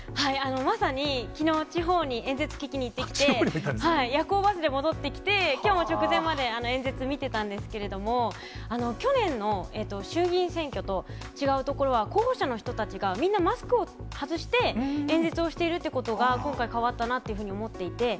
まさにきのう、地方に演説聞きに行ってきて、夜行バスで戻ってきて、きょうも直前まで、演説見てたんですけれども、去年の衆議院選挙と違うところは、候補者の人たちがみんなマスクを外して演説をしているということが、今回変わったなと思っていて。